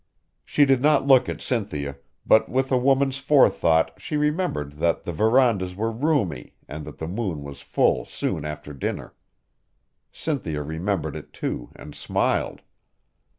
She did not look at Cynthia, but with a woman's forethought she remembered that the verandas were roomy and that the moon was full soon after dinner. Cynthia remembered it too and smiled.